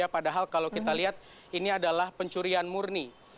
padahal kalau kita lihat ini adalah pencurian murni